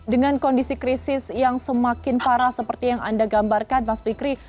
dengan kondisi krisis yang semakin parah seperti yang anda gambarkan mas fikri